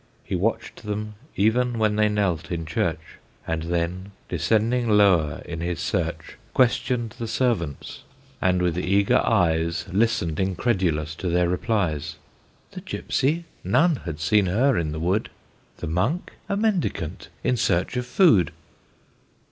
He watched them even when they knelt in church; And then, descending lower in his search, Questioned the servants, and with eager eyes Listened incredulous to their replies; The gypsy? none had seen her in the wood! The monk? a mendicant in search of food!